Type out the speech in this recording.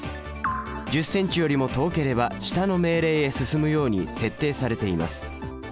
１０ｃｍよりも遠ければ下の命令へ進むように設定されています。